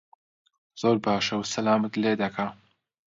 زۆر باشە و سەلامت لێ دەکا